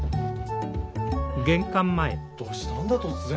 どうしたんだ突然？